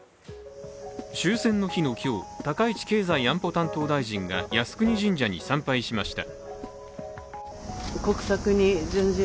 終戦の日の今日、高市経済安保担当大臣が靖国神社に参拝しました。